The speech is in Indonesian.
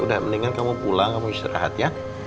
udah mendingan kamu pulang kamu istirahat ya